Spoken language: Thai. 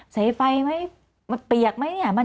สายไฟไหมมันเปียกไหม